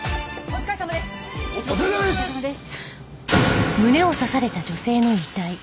お疲れさまです。